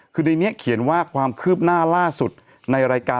คือในนี้เขียนว่าความคืบหน้าล่าสุดในรายการ